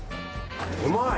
うまい！